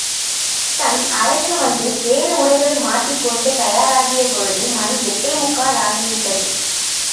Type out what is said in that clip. தன் அறைக்கு வந்து வேறு உடைகளை மாட்டிக் கொண்டு தயாராகிய பொழுது, மணி எட்டே முக்கால் ஆகிவிட்டது.